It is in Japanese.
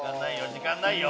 時間ないよ。